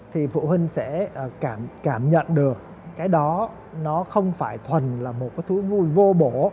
thì phụ huynh sẽ cảm nhận được cái đó nó không phải thuần là một cái thú vui vô bổ